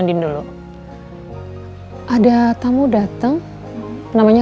dinding dulu ada tamu datang namanya